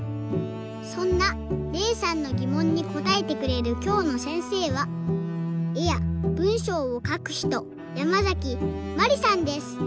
そんなれいさんのぎもんにこたえてくれるきょうのせんせいは絵やぶんしょうをかくひとヤマザキマリさんです。